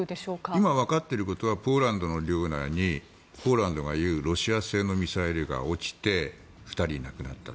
今わかっていることはポーランドの領内にポーランドが言うロシア製のミサイルが落ちて２人亡くなった。